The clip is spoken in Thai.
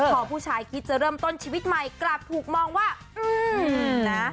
พอผู้ชายคิดจะเริ่มต้นชีวิตใหม่กลับถูกมองว่านะ